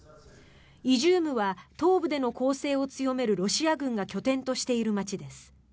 イジュームは東部での攻勢を強めるロシア軍が拠点としている街です。